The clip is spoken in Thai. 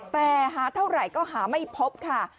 แต่หาเท่าไหร่ก็หาไม่พบค่ะ